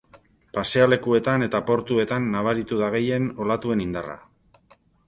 Pasealekuetan eta portuetan nabaritu da gehien olatuen indarra.